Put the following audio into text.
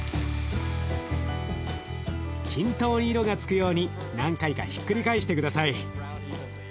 均等に色がつくように何回かひっくり返して下さい。